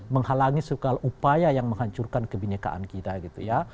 menghalangi segala upaya yang menghancurkan kebinekaan kita gitu ya